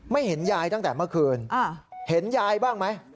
เห็นยายตั้งแต่เมื่อคืนเห็นยายบ้างไหม